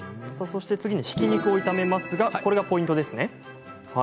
続いてひき肉を炒めますがここがポイントですね。